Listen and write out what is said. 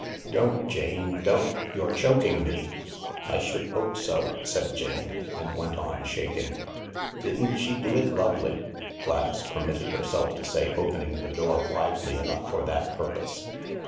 " Don't, Jane, don't, you're choking me !"" I should hope so," said Jane, and went on shaking. " Didn't she do it lovely 1 " Gladys permitted herself to say, opening the door widely enough for that purpose.